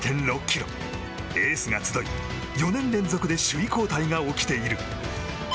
エースが集い、４年連続で首位交代が起きている。